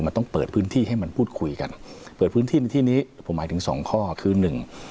มันต้องเปิดพื้นที่ให้มันพูดคุยกันเปิดพื้นที่ในที่นี้ผมหมายถึงสองข้อคือหนึ่ง